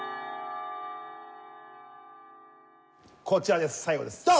こちらです。